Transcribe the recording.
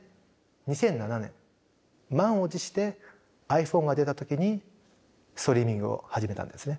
２００７年満を持してｉＰｈｏｎｅが出た時にストリーミングを始めたんですね。